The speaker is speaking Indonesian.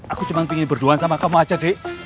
aku cuma pengen berduaan sama kamu aja dek